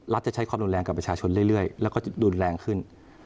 จะใช้ความรุนแรงกับประชาชนเรื่อยแล้วก็จะรุนแรงขึ้น